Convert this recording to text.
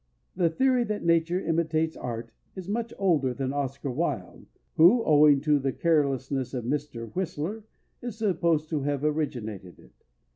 The theory that nature imitates art is much older than Oscar Wilde, who (owing to the carelessness of Mr. Whistler) is supposed to have originated it.